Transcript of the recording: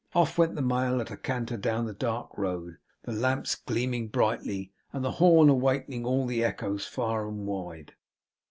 Off went the mail at a canter down the dark road; the lamps gleaming brightly, and the horn awakening all the echoes, far and wide.